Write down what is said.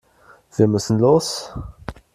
Wir müssen los.